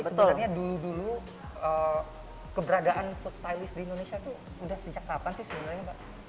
sebenarnya dulu dulu keberadaan food stylist di indonesia itu sudah sejak kapan sih sebenarnya mbak